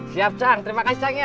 siap chang terima kasih chang ya